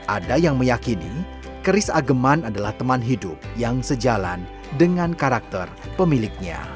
ada yang meyakini keris ageman adalah teman hidup yang sejalan dengan karakter pemiliknya